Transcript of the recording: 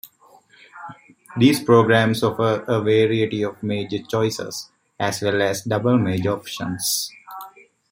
These programs offer a variety of major choices, as well as double-major options.